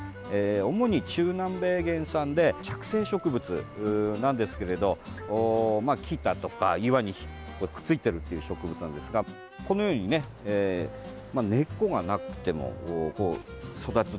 主に中南米原産で着生植物なんですけど木だとか岩にくっついている植物なんですがこのように根っこがなくても育つ。